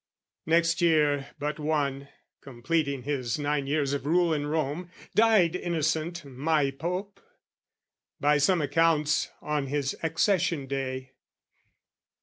Next year but one, completing his nine years Of rule in Rome, died Innocent my Pope By some accounts, on his accession day.